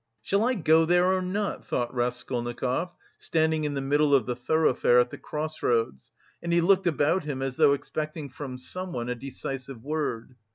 "Shall I go there or not?" thought Raskolnikov, standing in the middle of the thoroughfare at the cross roads, and he looked about him, as though expecting from someone a decisive word.